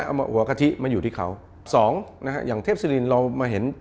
เอาหัวกะทิมาอยู่ที่เขาสองนะฮะอย่างเทพศิรินเรามาเห็น